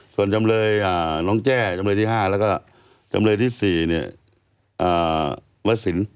ส่วนจำเลยน้องแจ้จำเลยที่๕แล้วก็จำเลยที่๔วัดสิน